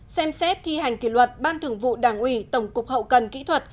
ba xem xét thi hành kỷ luật ban thường vụ đảng ủy tổng cục hậu cần kỹ thuật